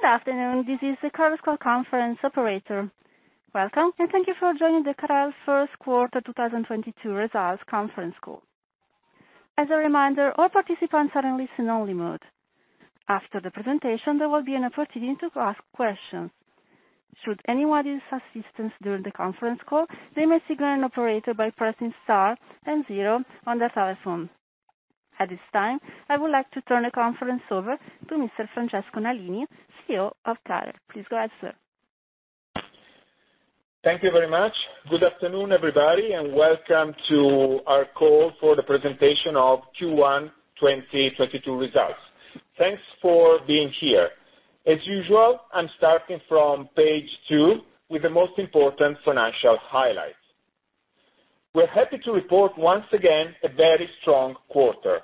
Good afternoon. This is the CAREL conference call operator. Welcome, and thank you for joining the CAREL's Q1 2022 results conference call. As a reminder, all participants are in listen only mode. After the presentation, there will be an opportunity to ask questions. Should anyone need assistance during the conference call, they may signal an operator by pressing star then zero on their telephone. At this time, I would like to turn the conference over to Mr. Francesco Nalini, CEO of CAREL. Please go ahead, sir. Thank you very much. Good afternoon, everybody, and welcome to our call for the presentation of Q1 2022 results. Thanks for being here. As usual, I'm starting from page two with the most important financial highlights. We're happy to report once again a very strong quarter.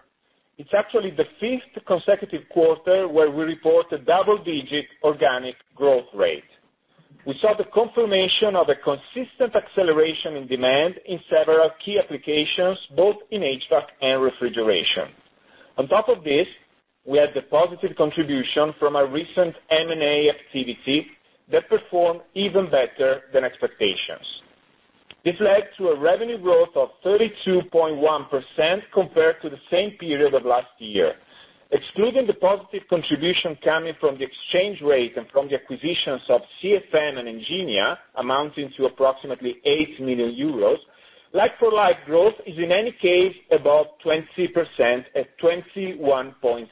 It's actually the fifth consecutive quarter where we report a double digit organic growth rate. We saw the confirmation of a consistent acceleration in demand in several key applications, both in HVAC and refrigeration. On top of this, we had the positive contribution from our recent M&A activity that performed even better than expectations. This led to a revenue growth of 32.1% compared to the same period of last year. Excluding the positive contribution coming from the exchange rate and from the acquisitions of CFM and Enginia, amounting to approximately 8 million euros, like-for-like growth is in any case above 20% at 21.7%.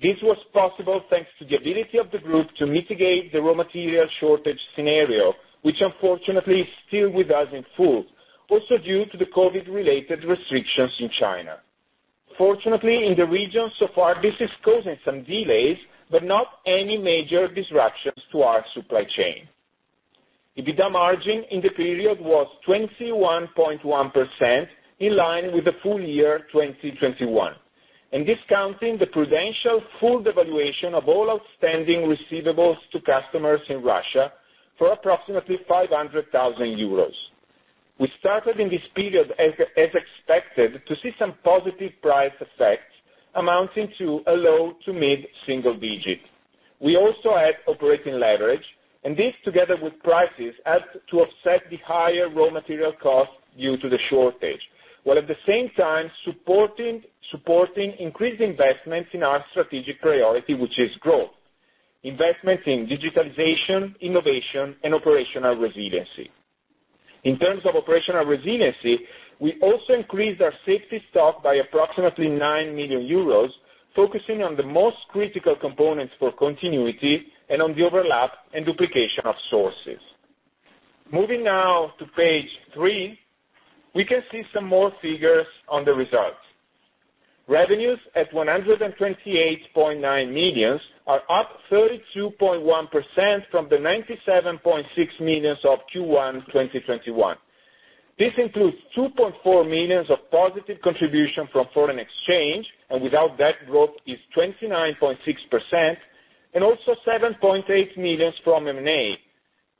This was possible thanks to the ability of the group to mitigate the raw material shortage scenario, which unfortunately is still with us in full, also due to the COVID-related restrictions in China. Fortunately, in the region so far, this is causing some delays, but not any major disruptions to our supply chain. EBITDA margin in the period was 21.1%, in line with the full year 2021, and discounting the prudential full devaluation of all outstanding receivables to customers in Russia for approximately 500 thousand euros. We started in this period as expected to see some positive price effects amounting to a low to mid single digit. We also had operating leverage, and this, together with prices, helped to offset the higher raw material costs due to the shortage, while at the same time supporting increased investments in our strategic priority, which is growth, investments in digitalization, innovation and operational resiliency. In terms of operational resiliency, we also increased our safety stock by approximately 9 million euros, focusing on the most critical components for continuity and on the overlap and duplication of sources. Moving now to page three, we can see some more figures on the results. Revenues at 128.9 million are up 32.1% from the 97.6 million of Q1 2021. This includes 2.4 million of positive contribution from foreign exchange, and without that growth is 29.6%, and also 7.8 million from M&A,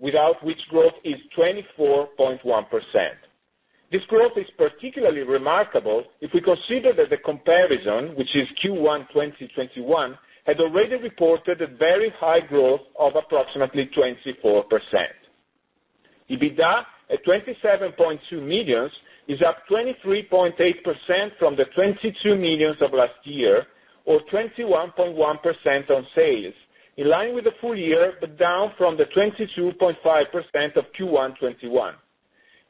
without which growth is 24.1%. This growth is particularly remarkable if we consider that the comparison, which is Q1 2021, had already reported a very high growth of approximately 24%. EBITDA at 27.2 million is up 23.8% from the 22 million of last year, or 21.1% on sales, in line with the full year, but down from the 22.5% of Q1 2021.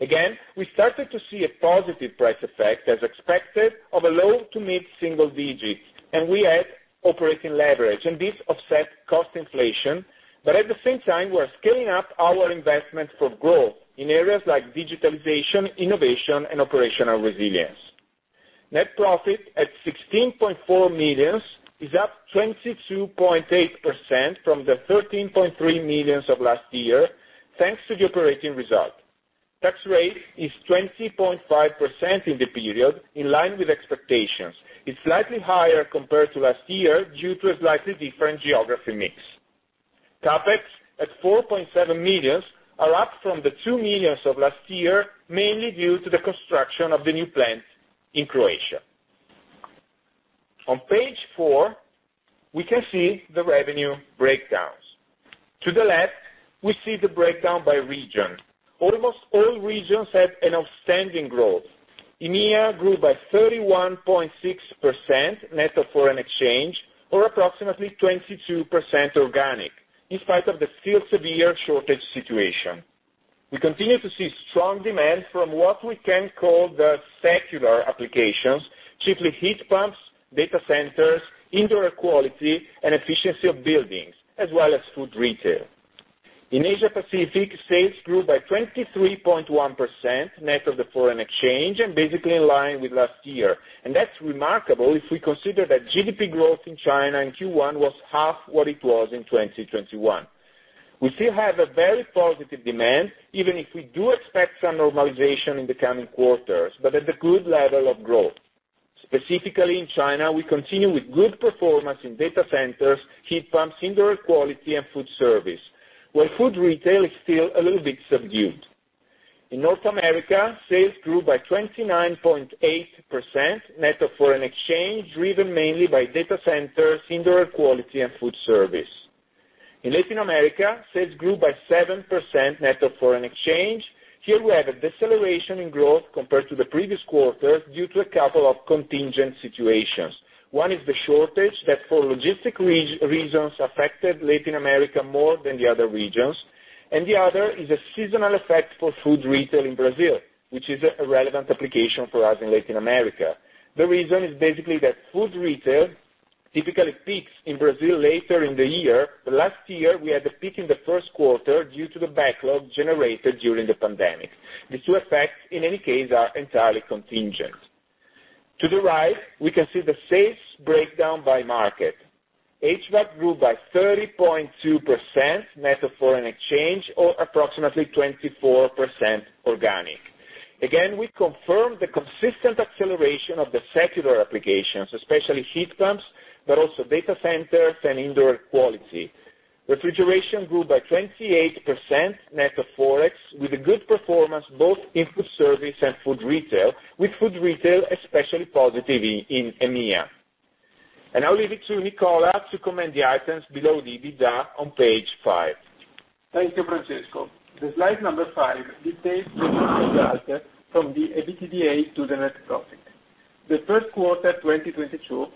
Again, we started to see a positive price effect as expected of a low to mid single digit, and we had operating leverage, and this offset cost inflation. At the same time, we are scaling up our investment for growth in areas like digitalization, innovation and operational resilience. Net profit at 16.4 million is up 22.8% from the 13.3 million of last year, thanks to the operating result. Tax rate is 20.5% in the period, in line with expectations. It's slightly higher compared to last year due to a slightly different geographic mix. CapEx at 4.7 million are up from the 2 million of last year, mainly due to the construction of the new plant in Croatia. On page four, we can see the revenue breakdowns. To the left, we see the breakdown by region. Almost all regions have an outstanding growth. EMEA grew by 31.6%, net of foreign exchange, or approximately 22% organic, in spite of the still severe shortage situation. We continue to see strong demand from what we can call the secular applications, chiefly heat pumps, data centers, indoor air quality and efficiency of buildings, as well as food retail. In Asia Pacific, sales grew by 23.1%, net of the foreign exchange and basically in line with last year. That's remarkable if we consider that GDP growth in China in Q1 was half what it was in 2021. We still have a very positive demand, even if we do expect some normalization in the coming quarters, but at a good level of growth. Specifically in China, we continue with good performance in data centers, heat pumps, indoor air quality and food service. While food retail is still a little bit subdued. In North America, sales grew by 29.8% net of foreign exchange, driven mainly by data centers, indoor air quality, and food service. In Latin America, sales grew by 7% net of foreign exchange. Here, we have a deceleration in growth compared to the previous quarter due to a couple of contingent situations. One is the shortage that, for logistic reasons, affected Latin America more than the other regions, and the other is a seasonal effect for food retail in Brazil, which is a relevant application for us in Latin America. The reason is basically that food retail typically peaks in Brazil later in the year, but last year, we had the peak in the Q1 due to the backlog generated during the pandemic. The two effects, in any case, are entirely contingent. To the right, we can see the sales breakdown by market. HVAC grew by 30.2% net of foreign exchange, or approximately 24% organic. Again, we confirm the consistent acceleration of the secular applications, especially heat pumps, but also data centers and indoor quality. Refrigeration grew by 28% net of Forex, with a good performance both in food service and food retail, with food retail especially positive in EMEA. I'll leave it to Nicola to comment the items below the EBITDA on page five. Thank you, Francesco. The slide number five details the result from the EBITDA to the net profit. The Q1, 2022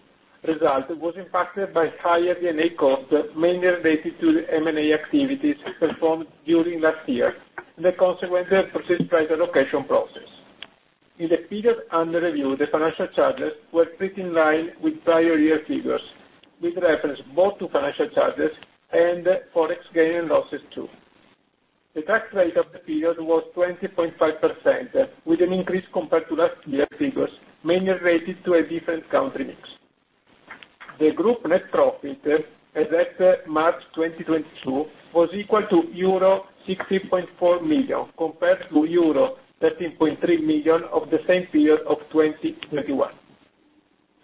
result was impacted by higher D&A costs, mainly related to the M&A activities performed during last year, the consequence of purchase price allocation process. In the period under review, the financial charges were pretty in line with prior year figures, with reference both to financial charges and Forex gain and losses too. The tax rate of the period was 20.5%, with an increase compared to last year figures, mainly related to a different country mix. The group net profit, as at March 2022, was equal to euro 60.4 million, compared to euro 13.3 million of the same period of 2021.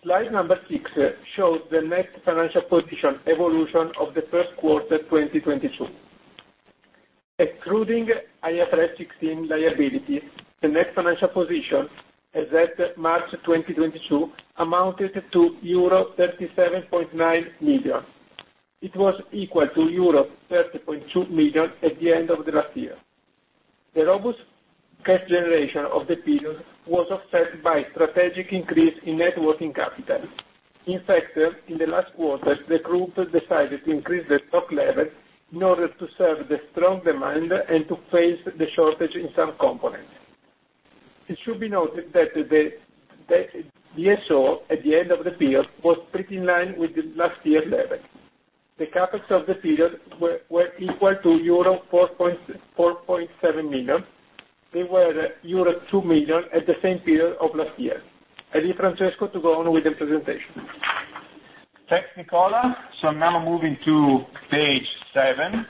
Slide number six shows the net financial position evolution of the Q1 2022. Excluding IFRS 16 liabilities, the net financial position, as at March 2022, amounted to euro 37.9 million. It was equal to euro 30.2 million at the end of last year. The robust cash generation of the period was offset by strategic increase in net working capital. In fact, in the last quarter, the group decided to increase the stock level in order to serve the strong demand and to face the shortage in some components. It should be noted that the DSO at the end of the period was pretty in line with the last year level. The CapEx of the period were equal to euro 4.7 million. They were euro 2 million at the same period of last year. I leave Francesco to go on with the presentation. Thanks, Nicola. Now moving to page seven.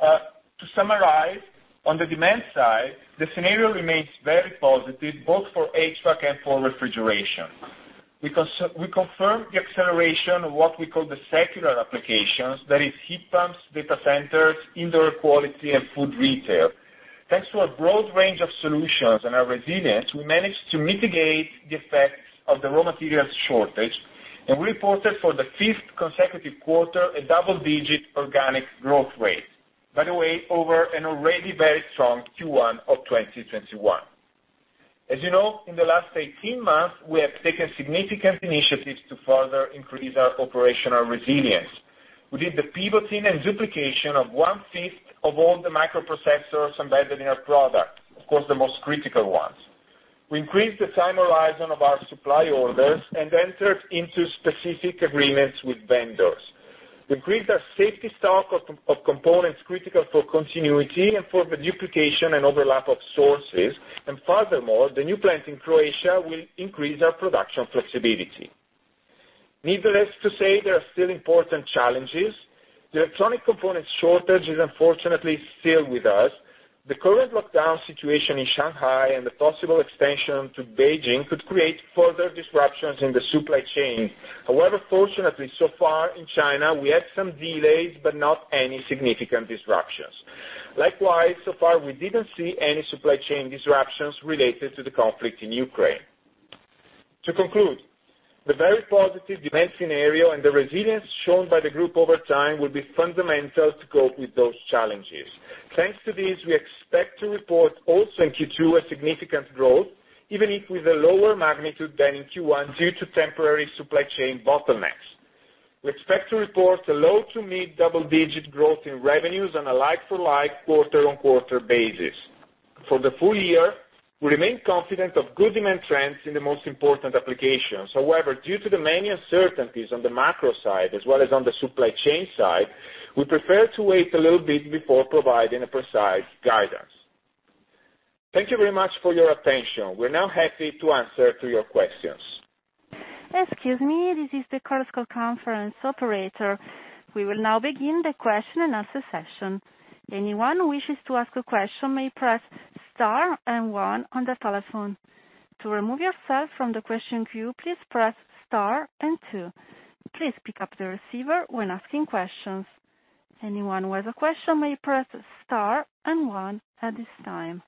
To summarize, on the demand side, the scenario remains very positive both for HVAC and for refrigeration. We confirm the acceleration of what we call the secular applications, that is heat pumps, data centers, indoor quality, and food retail. Thanks to our broad range of solutions and our resilience, we managed to mitigate the effects of the raw materials shortage, and we reported for the fifth consecutive quarter a double digit organic growth rate, by the way, over an already very strong Q1 of 2021. As you know, in the last 18 months, we have taken significant initiatives to further increase our operational resilience. We did the pivoting and duplication of 1/5 of all the microprocessors embedded in our product, of course, the most critical ones. We increased the time horizon of our supply orders and entered into specific agreements with vendors. Increased our safety stock of components critical for continuity and for the duplication and overlap of sources. Furthermore, the new plant in Croatia will increase our production flexibility. Needless to say, there are still important challenges. The electronic component shortage is unfortunately still with us. The current lockdown situation in Shanghai and the possible extension to Beijing could create further disruptions in the supply chain. However, fortunately, so far in China, we had some delays, but not any significant disruptions. Likewise, so far we didn't see any supply chain disruptions related to the conflict in Ukraine. To conclude, the very positive demand scenario and the resilience shown by the group over time will be fundamental to cope with those challenges. Thanks to this, we expect to report also in Q2 a significant growth, even if with a lower magnitude than in Q1, due to temporary supply chain bottlenecks. We expect to report a low to mid double digit growth in revenues on a like-for-like, quarter-on-quarter basis. For the full year, we remain confident of good demand trends in the most important applications. However, due to the many uncertainties on the macro side as well as on the supply chain side, we prefer to wait a little bit before providing a precise guidance. Thank you very much for your attention. We're now happy to answer to your questions. Excuse me. This is the Chorus Call conference operator. We will now begin the question-and-answer session. Anyone who wishes to ask a question may press star and one on the telephone. To remove yourself from the question queue, please press star and two. Please pick up the receiver when asking questions. Anyone who has a question may press star and one at this time.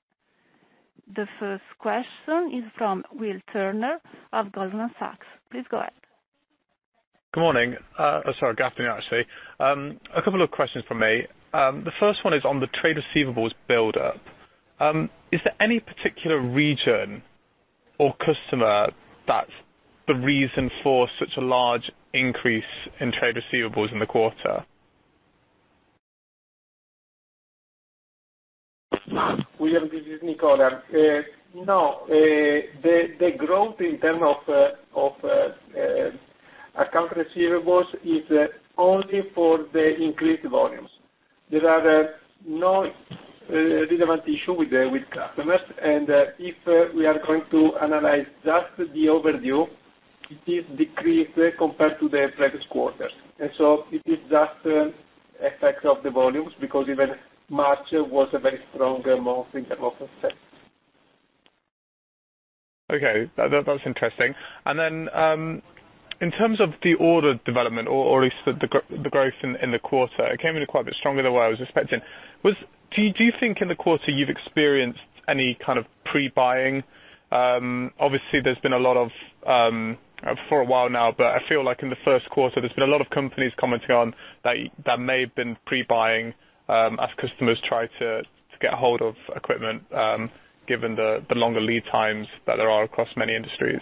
The Q1 is from Will Turner of Goldman Sachs. Please go ahead. Good morning. Sorry, afternoon, actually. A couple of questions from me. The first one is on the trade receivables buildup. Is there any particular region or customer that's the reason for such a large increase in trade receivables in the quarter? William, this is Nicola. No. The growth in terms of accounts receivable is only for the increased volumes. There are no relevant issue with customers. If we are going to analyze just the overdue, it is decreased compared to the previous quarters. It is just effect of the volumes because even March was a very strong month in terms of sales. Okay. That's interesting. In terms of the order development or at least the growth in the quarter, it came in quite a bit stronger than what I was expecting. Do you think in the quarter you've experienced any kind of pre-buying? Obviously there's been a lot of for a while now, but I feel like in the Q1 there's been a lot of companies commenting on that that may have been pre-buying as customers try to get a hold of equipment given the longer lead times that there are across many industries.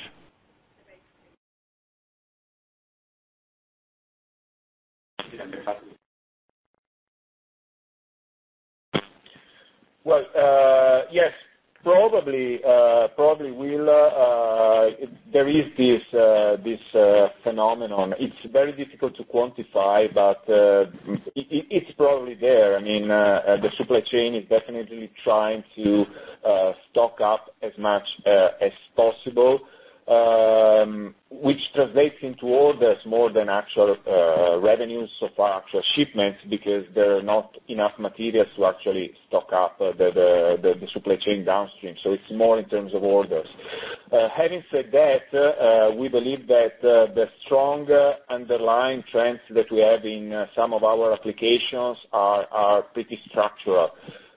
Well, yes, probably will. There is this phenomenon. It's very difficult to quantify, but it's probably there. I mean, the supply chain is definitely trying to stock up as much as possible, which translates into orders more than actual revenues so far, actual shipments, because there are not enough materials to actually stock up the supply chain downstream. It's more in terms of orders. Having said that, we believe that the strong underlying trends that we have in some of our applications are pretty structural.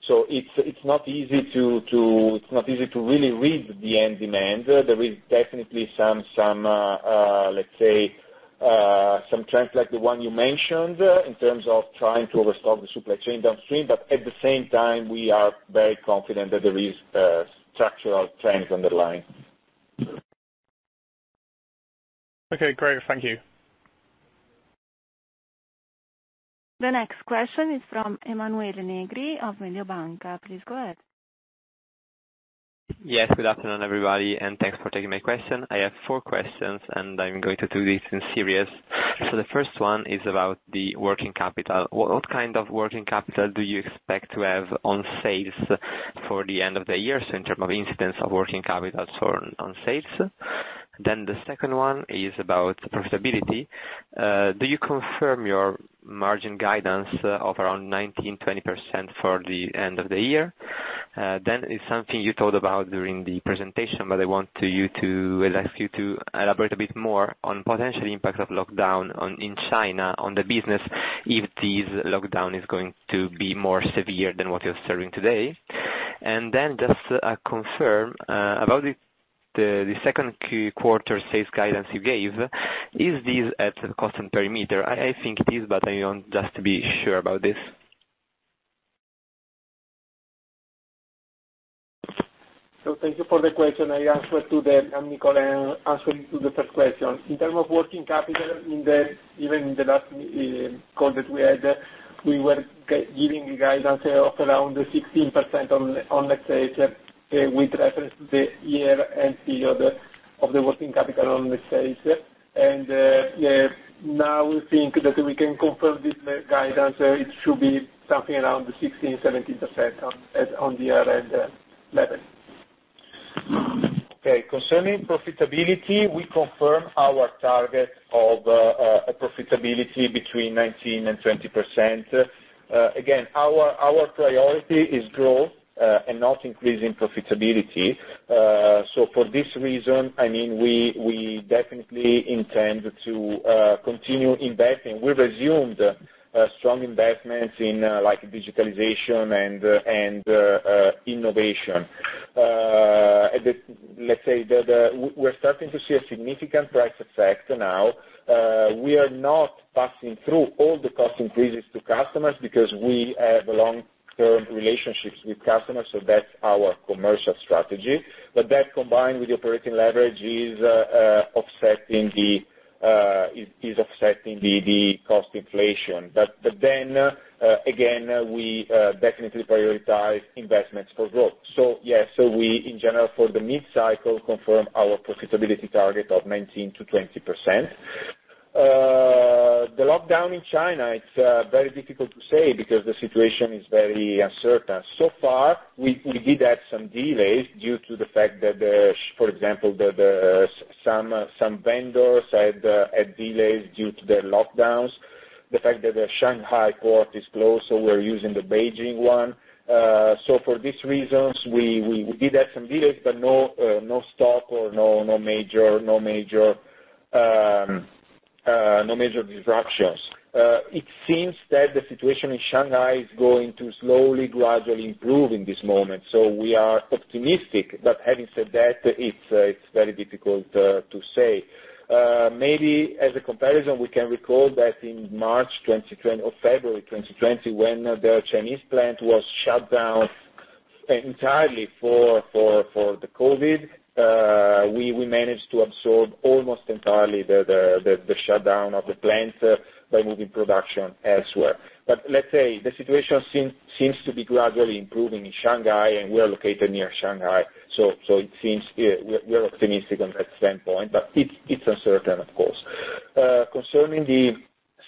It's not easy to really read the end demand. There is definitely some let's say some trends like the one you mentioned in terms of trying to restock the supply chain downstream. At the same time, we are very confident that there is structural trends underlying. Okay, great. Thank you. The next question is from Emanuele Negri of Mediobanca. Please go ahead. Yes, good afternoon, everybody, and thanks for taking my question. I have four questions, and I'm going to do this in series. The first one is about the working capital. What kind of working capital do you expect to have on sales for the end of the year, so in terms of incidence of working capital on sales? The second one is about profitability. Do you confirm your margin guidance of around 19%, 20% for the end of the year? It's something you talked about during the presentation, but I'd like you to elaborate a bit more on potential impact of lockdown in China on the business if this lockdown is going to be more severe than what you're observing today. Just confirm about the Q2 sales guidance you gave. Is this at constant perimeter? I think it is, but I want just to be sure about this. Thank you for the question. I'm Nicola. Answer to the first question. In terms of working capital, even in the last call that we had, we were giving a guidance of around 16% on the sales, with reference to the year end period of the working capital on the sales. Now we think that we can confirm this guidance. It should be something around 16%, 17% on the year end level. Okay. Concerning profitability, we confirm our target of a profitability between 19% and 20%. Again, our priority is growth and not increasing profitability. For this reason, I mean, we definitely intend to continue investing. We've resumed strong investments in like digitalization and innovation. We're starting to see a significant price effect now. We are not passing through all the cost increases to customers because we have long-term relationships with customers, so that's our commercial strategy. That combined with the operating leverage is offsetting the cost inflation. We definitely prioritize investments for growth. Yes. We in general for the mid-cycle confirm our profitability target of 19% to 20%. The lockdown in China is very difficult to say because the situation is very uncertain. So far we did have some delays due to the fact that for example some vendors had delays due to the lockdowns. The fact that the Shanghai port is closed, so we're using the Beijing one. For these reasons, we did have some delays, but no stockouts or no major disruptions. It seems that the situation in Shanghai is going to slowly gradually improve at this moment. We are optimistic. Having said that, it's very difficult to say. Maybe as a comparison, we can recall that in March 2020 or February 2020, when the Chinese plant was shut down entirely for the COVID, we managed to absorb almost entirely the shutdown of the plant by moving production elsewhere. The situation seems to be gradually improving in Shanghai, and we are located near Shanghai. It seems we're optimistic at this point, but it's uncertain, of course. Concerning the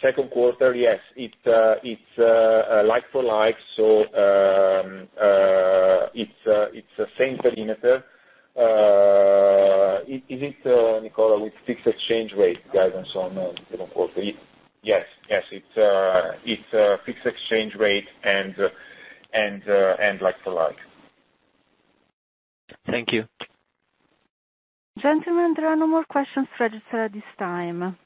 Q2, yes, it's a like for like, so it's the same perimeter. Is it, Nicola, with fixed exchange rate guidance on the Q2? Yes. It's fixed exchange rate and like for like. Thank you. Gentlemen, there are no more questions registered at this time.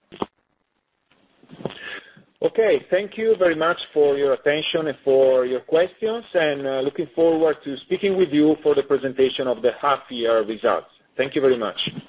Okay. Thank you very much for your attention and for your questions, and looking forward to speaking with you for the presentation of the half year results. Thank you very much.